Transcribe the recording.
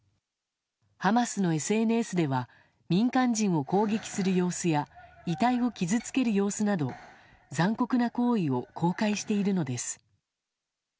ハマスのＳＮＳでは民間人を攻撃する様子や遺体を傷つける様子など残酷な行為を公開しているのです。